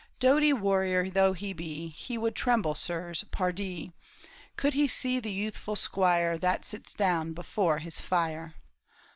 Doughty warrior though he be, He would tremble, sirs, pardie ! Could he see the youthful squire That sits down before his fire."